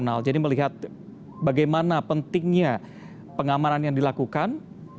kita tadi melihat bagaimana pentingnya pengamanan yang dilakukan